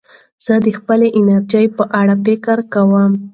زه د خپلې انرژۍ په اړه فکر کوم.